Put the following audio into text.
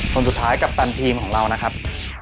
คนสุดท้ายกัปตันทีมของเรานะครับ